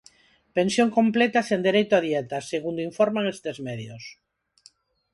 Pensión completa e sen dereito a dietas, segundo informan estes medios.